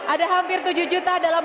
ada hampir tujuh juta dalam